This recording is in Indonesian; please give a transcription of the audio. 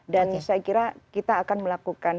dan saya kira kita akan melakukan